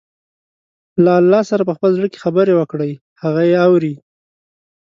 له الله سره په خپل زړه کې خبرې وکړئ، هغه يې اوري.